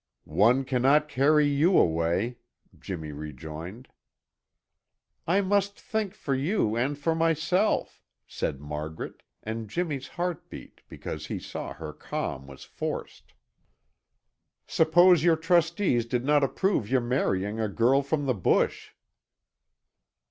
"One cannot carry you away," Jimmy rejoined. "I must think for you and for myself," said Margaret and Jimmy's heart beat, because he saw her calm was forced. "Suppose your trustees did not approve your marrying a girl from the bush?"